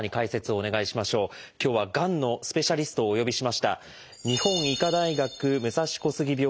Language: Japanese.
今日はがんのスペシャリストをお呼びしました。